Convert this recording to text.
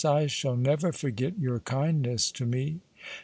I shall neyer forget your kindness to me."